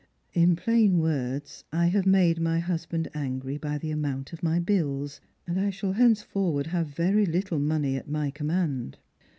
In plain words, I have made my husband angry by the amount of my bills, and I shall henceforward have very httle money at my command."